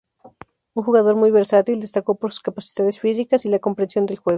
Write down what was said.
Un jugador muy versátil, destacó por sus capacidades físicas y la comprensión del juego.